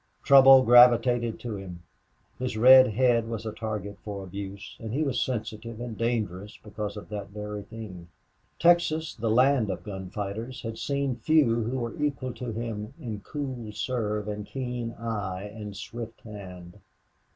Trouble gravitated to him. His red head was a target for abuse, and he was sensitive and dangerous because of that very thing. Texas, the land of gunfighters, had seen few who were equal to him in cool nerve and keen eye and swift hand.